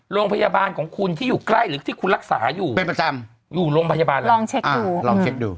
โรงพยาบาลของคุณที่อยู่ใกล้หรือที่คุณรักษาอยู่อยู่โรงพยาบาลแล้วลองเช็คดู